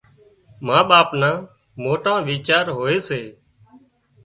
ما ٻاپ نا موٽا ويچار هوئي سي